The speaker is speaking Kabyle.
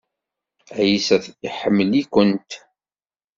Ɛisa iḥemmel-ikent.